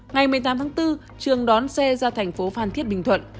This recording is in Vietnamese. ngày một mươi tám tháng bốn trường đón xe ra tp phàn thiết bình thuận